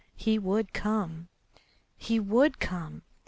He would come! He would come!